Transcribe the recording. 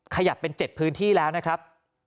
ขยับเป็น๗พื้นที่แล้วนะครับ